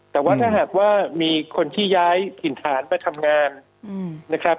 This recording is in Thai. แต่ว่าถ้าหากว่ามีคนที่ย้ายถิ่นฐานมาทำงานนะครับ